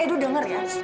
edo dengar ya